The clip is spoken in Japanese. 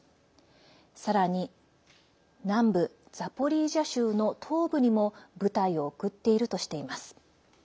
さらに南部ザポリージャ州の東部にも部隊を送っているとしています。